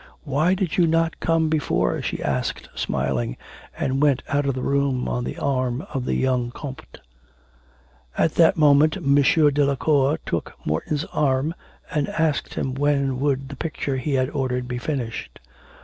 'Why did you not come before,' she asked smiling, and went out of the room on the arm of the young comte. At that moment M. Delacour took Morton's arm and asked when would the picture he had ordered be finished.